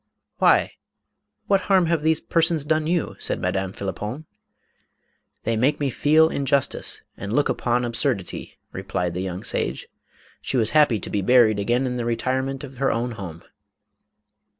" Why what harm have these persons done you ?" said Madame Phlippon. " They make me feel injustice and look upon absur dity," replied the young sage. She was happy to be buried again in the retirement of her own home.